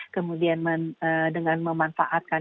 kemudian dengan memanfaatkan